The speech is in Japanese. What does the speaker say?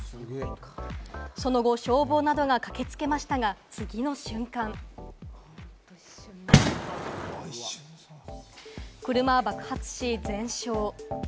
その後、消防などが駆けつけましたが、次の瞬間、車は爆発し、全焼。